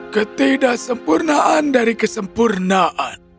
ketidaksempurnaan dari kesempurnaan